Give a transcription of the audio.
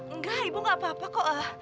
enggak ibu gak apa apa kok